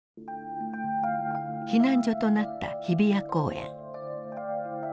避難所となった日比谷公園。